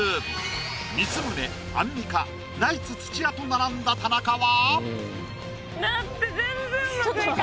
光宗アンミカナイツ土屋と並んだ田中は。